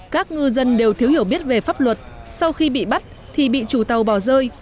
các ngư dân đều thiếu hiểu biết về pháp luật sau khi bị bắt thì bị chủ tàu bỏ rơi